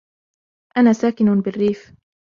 أنا ساكنٌ بالريف.